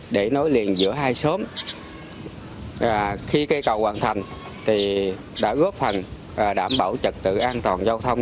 để nối liền giữa hai xóm khi cây cầu hoàn thành thì đã góp phần đảm bảo trật tự an toàn giao thông